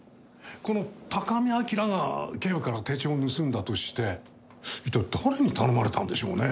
この高見明が警部から手帳を盗んだとして一体誰に頼まれたんでしょうね？